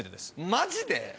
マジで？